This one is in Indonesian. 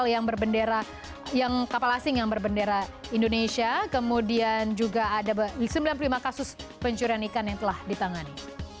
yang kapal asing yang berbendera indonesia kemudian juga ada sembilan puluh lima kasus pencurian ikan yang telah ditangani